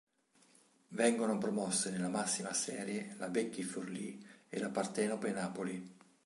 Vengono promosse nella massima serie la Becchi Forlì e la Partenope Napoli.